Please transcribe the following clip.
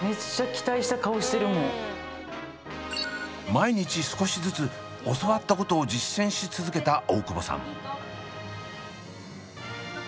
毎日少しずつ教わったことを実践し続けた大久保さん。